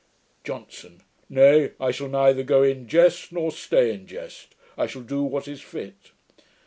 JOHNSON. 'Nay, I shall neither go in jest, nor stay in jest. I shall do what is fit.'